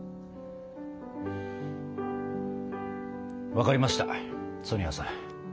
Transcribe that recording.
分かりましたソニアさん。